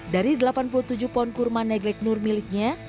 dari delapan puluh tujuh pohon kurma neglek nur miliknya